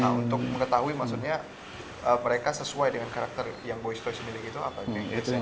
nah untuk mengetahui maksudnya mereka sesuai dengan karakter yang boy's toys miliki itu apa yang biasanya anda lakukan